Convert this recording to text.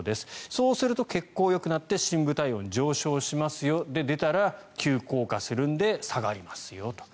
そうすると血行がよくなって深部体温が上昇しますよ出たら急降下するんで下がりますよと。